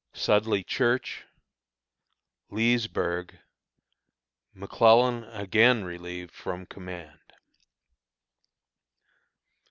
Sudley Church. Leesburg. McClellan again Relieved from Command.